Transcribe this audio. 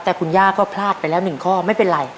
แต่คุณย่าก็พลาดไปแล้ว๑ข้อไม่เป็นไร